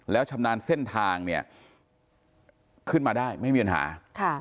แล้วชำนาญเส้นทางเนี่ยขึ้นมาได้ไม่มีปัญหาค่ะ